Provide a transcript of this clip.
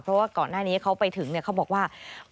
เพราะว่าก่อนหน้านี้เขาไปถึงเขาบอกว่า